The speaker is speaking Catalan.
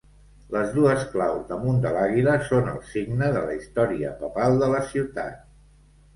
Les dues claus damunt de l'àguila són el signe de la història papal de la ciutat.